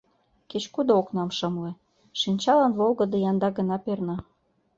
Кеч-кудо окнам шымле — шинчалан волгыдо янда гына перна.